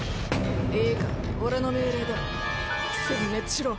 いいか俺の命令だ殲滅しろ！